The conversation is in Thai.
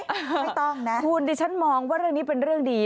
ไม่ต้องนะคุณดิฉันมองว่าเรื่องนี้เป็นเรื่องดี